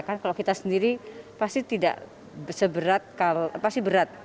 karena kalau kita sendiri pasti tidak seberat pasti berat